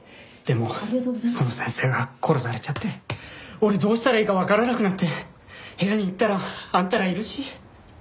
でもその先生が殺されちゃって俺どうしたらいいかわからなくなって部屋に行ったらあんたらいるし。